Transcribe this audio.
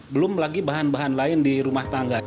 belum lagi bahan bahan lainnya